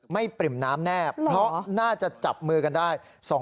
ปริ่มน้ำแน่เพราะน่าจะจับมือกันได้